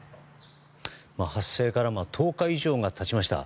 発生から１０日以上が経ちました。